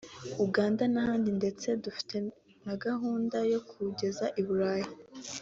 Uganda n’ahandi ndetse dufite na gahunda yo kuwugeza i Burayi